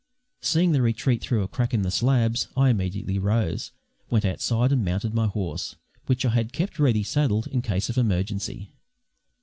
Seeing the retreat through a crack in the slabs, I immediately rose, went outside and mounted my horse, which I had kept ready saddled in case of emergency.